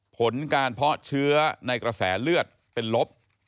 ผลการเพาะเชื้อในกระแสเลือดเป็นลบ